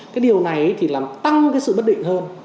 cái điều này thì làm tăng cái sự bất định hơn